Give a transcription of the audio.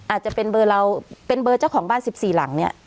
อาจจะเป็นเบอร์เราเป็นเบอร์เจ้าของบ้าน๑๔หลังเนี่ย